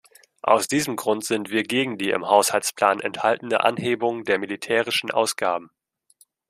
Aus diesem Grund sind wir gegen die im Haushaltsplan enthaltene Anhebung der militärischen Ausgaben.